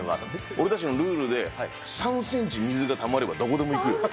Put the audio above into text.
俺たちのルールで３センチ水がたまればどこでも行くよ。